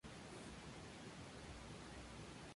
Desde entonces, se une Pedro Carreras como vocalista y bajista.